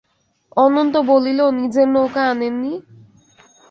অনন্ত বলিল, নিজের নৌকা আনেননি?